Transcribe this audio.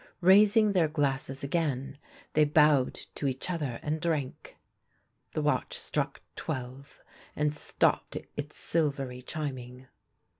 Raising their glasses again, they bowed to each other and drank. The watch struck twelve, and stopped its silvery chiming.